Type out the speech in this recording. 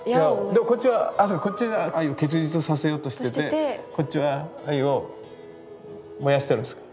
でもこっちはあっそうかこっちが愛を結実させようとしててこっちは愛を燃やしてるんですか。